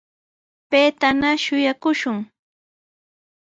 Payllatana shuyaakushun.